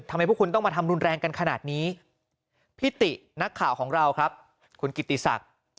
พวกคุณต้องมาทำรุนแรงกันขนาดนี้พี่ตินักข่าวของเราครับคุณกิติศักดิ์